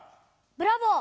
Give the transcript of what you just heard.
ブラボー。